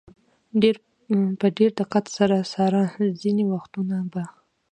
په ډېر دقت سره څاره، ځینې وختونه به.